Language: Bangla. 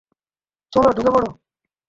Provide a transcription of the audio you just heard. চলো, ঢুকে পড়ো।